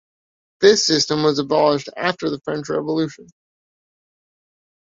This system was abolished after the French Revolution.